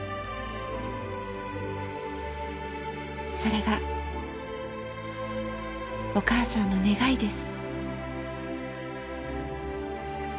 「それがお母さんの願いです」。